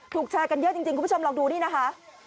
แชร์กันเยอะจริงคุณผู้ชมลองดูนี่นะคะ